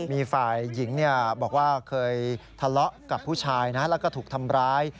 มีฝ่ายหญิงบอกว่าเคยทะเลาะกับผู้ชายนะแล้วก็ถูกทำร้าย